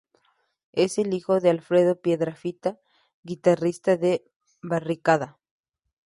Es hijo de Alfredo Piedrafita, guitarrista de Barricada.